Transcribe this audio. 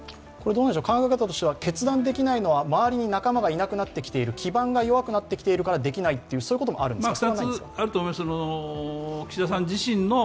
考え方としては決断できないのは周りに仲間がいなくなっている、あるいは基盤が弱くなってきているからできないということもあるんですか。